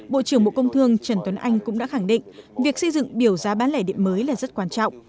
bộ trưởng bộ công thương trần tuấn anh cũng đã khẳng định việc xây dựng biểu giá bán lẻ điện mới là rất quan trọng